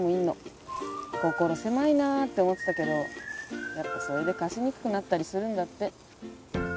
心狭いなって思ってたけどやっぱそれで貸しにくくなったりするんだって。